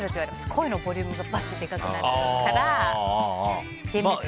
声のボリュームがでかくなるから幻滅されちゃう。